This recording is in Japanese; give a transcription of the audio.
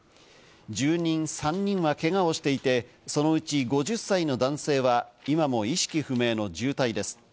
住人３人はけがをしていて、そのうち５０歳の男性は今も意識不明の重体です。